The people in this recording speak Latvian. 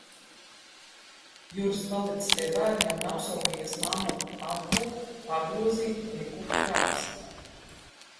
Juris palicis pie bērniem un apsolījies mammuku apkopt, pagrozīt un iekurt krāsni.